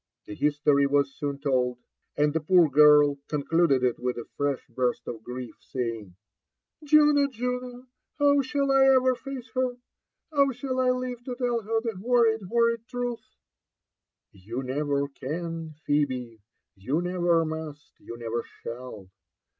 The history was soon told, and the poor girl ooneluded it with t ffe«h hurst of grief, saying, ''Juno, Juno, how shall I ever face her? •pr how shall I live tp tell her the horrid, horrid truth?" ''You never can, Pbebe, — you never must, you never shall